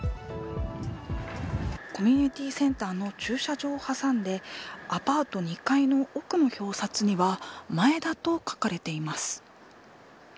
コミュニティセンターの駐車場を挟んでアパート２階の奥の表札には前田と書かれています。